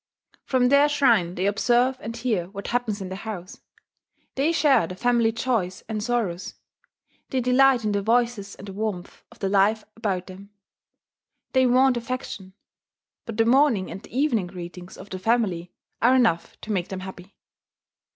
From their shrine they observe and hear what happens in the house; they share the family joys and sorrows; they delight in the voices and the warmth of the life about them. They want affection; but the morning and the evening greetings of the family are enough to make them happy.